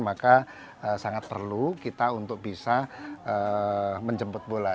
maka sangat perlu kita untuk bisa menjemput bola